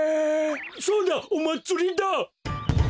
そうだおまつりだ！